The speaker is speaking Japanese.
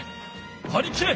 はりきれ！